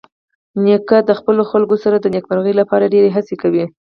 نیکه د خپلو خلکو سره د نیکمرغۍ لپاره ډېرې هڅې کوي.